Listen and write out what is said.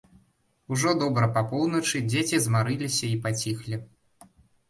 Ужо добра па поўначы дзеці змарыліся і паціхлі.